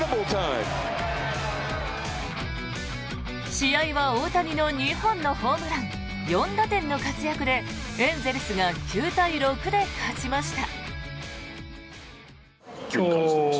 試合は大谷の２本のホームラン４打点の活躍でエンゼルスが９対６で勝ちました。